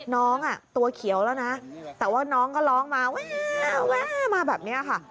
น้องตัวเขียวแล้วนะแต่ว่าน้องก็ร้องมาแวะมาแบบนี้ค่ะ